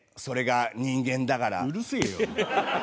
それが人間だから。